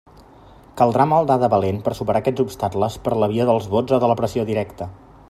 Caldrà maldar de valent per superar aquests obstacles per la via dels vots o de la pressió directa.